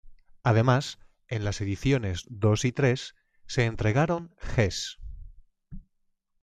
Además en las ediciones dos y tres se entregaron Gs.